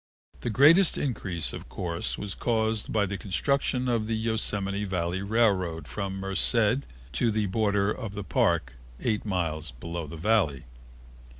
The greatest increase, of course, was caused by the construction of the Yosemite Valley railroad from Merced to the border of the Park, eight miles below the Valley.